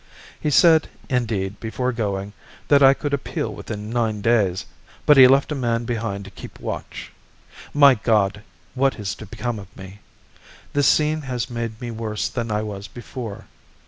He said, indeed, before going, that I could appeal within nine days, but he left a man behind to keep watch. My God! what is to become of me? This scene has made me worse than I was before.